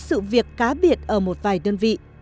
sự việc cá biệt ở một vài đơn vị